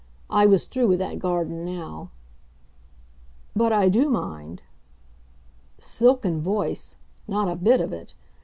I was through with that garden now. "But I do mind!" Silken voice? Not a bit of it!